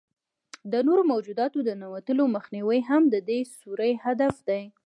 د نورو موجوداتو د ننوتلو مخنیوی هم د دې سوري هدف دی.